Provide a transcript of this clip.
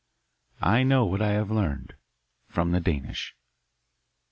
I Know What I Have Learned From the Danish.